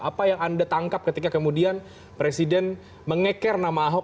apa yang anda tangkap ketika kemudian presiden mengeker nama ahok